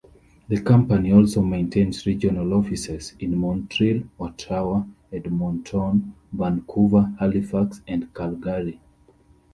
The company also maintains regional offices in Montreal, Ottawa, Edmonton, Vancouver, Halifax and Calgary.